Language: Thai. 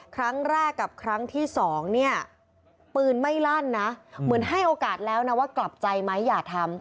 ครั้งแรกกับครั้งที่สองเนี่ยปืนไม่ลั่นนะเหมือนให้โอกาสแล้วนะว่ากลับใจไหมอย่าทำ